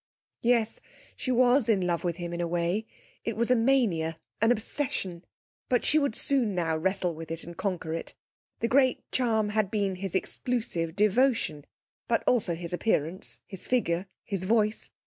Yes, she was in love with him in a way it was a mania, an obsession. But she would now soon wrestle with it and conquer it. The great charm had been his exclusive devotion but also his appearance, his figure, his voice.